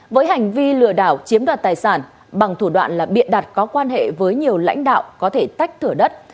với hành vi lừa đảo chiếm đoạt tài sản bằng thủ đoạn là biện đặt có quan hệ với nhiều lãnh đạo có thể tách thửa đất